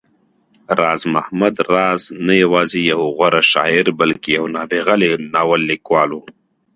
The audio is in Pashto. راز محمد راز نه يوازې يو غوره شاعر، بلکې يو نابغه ناول ليکوال و